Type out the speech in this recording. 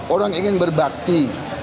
orang ingin berbakti